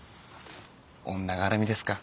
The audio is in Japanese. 女がらみですか。